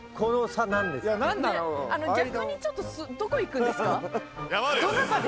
ねっ逆にちょっとどこ行くんですか？